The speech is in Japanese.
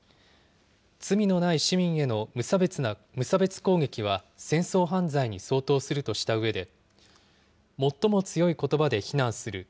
罪のない市民への無差別攻撃は戦争犯罪に相当するとしたうえで、最も強いことばで非難する。